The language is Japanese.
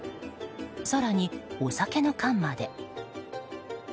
更に、お酒の缶まで。